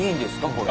これ。